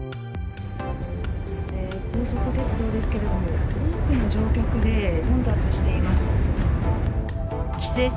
高速鉄道ですけれども、多くの乗客で混雑しています。